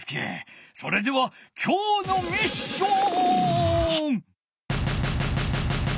それではきょうのミッション！